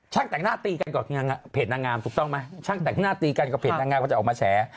ช่างแต่งหน้าตีกันกว่าเพจนางามถูกต้องไหมช่างแต่งหน้าตีกันกว่าเพจนางามก็จะออกมาแสว่า